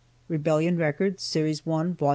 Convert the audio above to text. (Rebellion Records, Series 1, Vol.